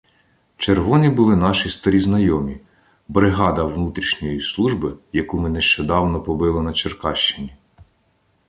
Червоні були наші "старі знайомі" — бригада внутрішньої служби, яку ми нещодавно побили на Черкащині.